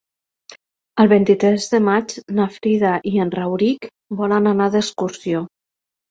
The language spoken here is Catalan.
El vint-i-tres de maig na Frida i en Rauric volen anar d'excursió.